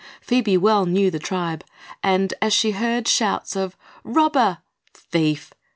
Phoebe well knew the tribe and, as she heard shouts of "Robber!" "Thief!"